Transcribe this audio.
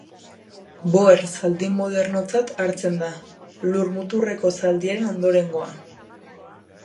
Boer zaldi modernotzat hartzen da, Lur muturreko zaldiaren ondorengoa.